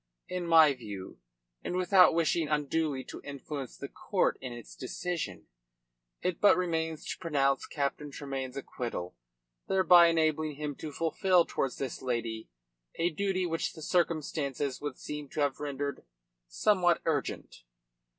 In my view and without wishing unduly to influence the court in its decision it but remains to pronounce Captain Tremayne's acquittal, thereby enabling him to fulfil towards this lady a duty which the circumstances would seem to have rendered somewhat urgent."